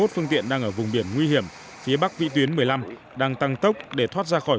hai mươi phương tiện đang ở vùng biển nguy hiểm phía bắc vị tuyến một mươi năm đang tăng tốc để thoát ra khỏi